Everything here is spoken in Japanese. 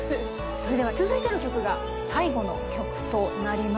それでは続いての曲が最後の曲となります。